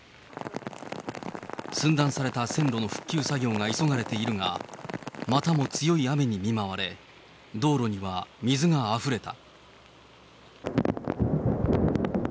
寸断された線路の復旧作業が急がれているが、またも強い雨に見舞われ、道路には水があふれた。